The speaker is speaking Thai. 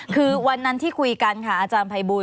คือวันนั้นที่คุยกันค่ะอาจารย์ภัยบูล